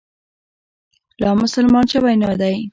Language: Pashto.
لا مسلمان شوی نه دی.